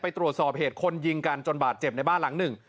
ตรวจสอบเหตุคนยิงกันจนบาดเจ็บในบ้านหลังหนึ่ง